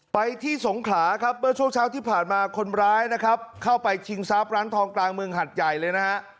ไปที่สงขลาครับเมื่อช่วงเช้าที่ผ่านมาคนร้ายนะครับเข้าไปชิงทรัพย์ร้านทองกลางเมืองหัดใหญ่เลยนะฮะ